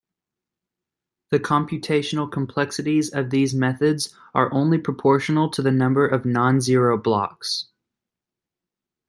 The computational complexities of these methods are only proportional to the number of non-zero blocks.